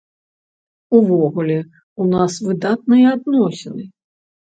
Увогуле, у нас выдатныя адносіны.